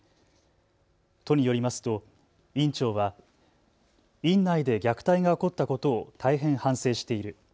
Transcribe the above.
都によりますと、院長は、院内で虐待が起こったことを大変、反省している。